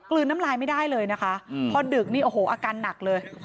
ลืนน้ำลายไม่ได้เลยนะคะพอดึกนี่โอ้โหอาการหนักเลย